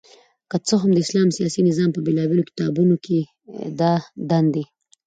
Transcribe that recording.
که څه هم د اسلام سياسي نظام په بيلابېلو کتابونو کي دا دندي